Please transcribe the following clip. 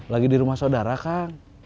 lagi di rumah saudara kang